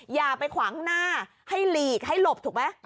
อย่าไปขวางหน้าให้หลีกให้หลบถูกไหม